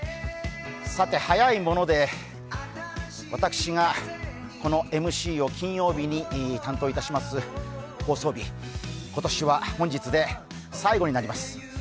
早いもので、私がこのＭＣを金曜日に担当いたします、放送日今年は本日で最後になります。